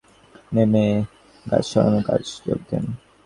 আগের মতোই তিনি গাড়ি থেকে নেমে গাছ সরানোর কাজে যোগ দেন।